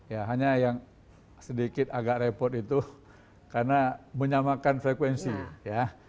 ya hanya yang sedikit agak repot itu karena menyamakan frekuensi ya